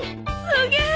すげえ。